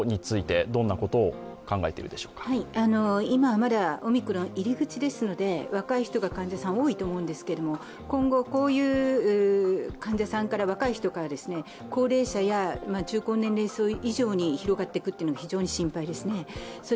今、まだオミクロン入り口ですので若い人が患者さん多いと思うんですけれども、今後、若い患者さんから高齢者や中高年齢層以上に広がっていくのが非常に心配ですね。